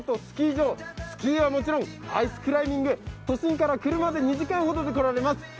スキーはもちろんアイスクライミング、都心から車で２時間ほどで来られます。